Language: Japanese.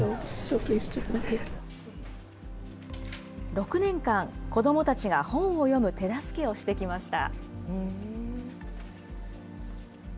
６年間、子どもたちが本を読む手助けをしてきました。